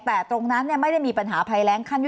แต่ตรงนั้นไม่ได้มีปัญหาภัยแรงขั้นที่๒